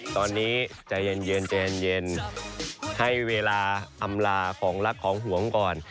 ตอนนี้ใจเย็นใจเย็นให้เวลาอำลาของรักของหวงก่อน